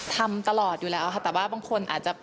ทำตลอดอยู่แล้วค่ะแต่ว่าบางคนอาจจะ